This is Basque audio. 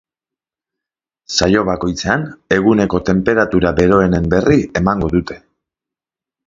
Saio bakoitzean, eguneko tenperatura beroenen berri emango dute.